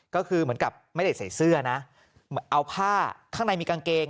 ก็คือเหมือนกับไม่ได้ใส่เสื้อนะเอาผ้าข้างในมีกางเกง